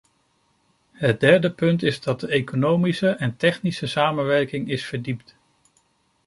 Het derde punt is dat de economische en technische samenwerking is verdiept.